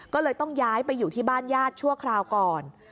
ก็เลยต้องย้ายไปอยู่ที่บ้านญาติชั่วคราวก่อน